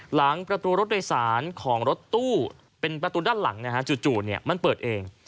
หลังประตูรถโดยสารของรถตู้เป็นประตูด้านหลังนะฮะจู่มันเปิดเอง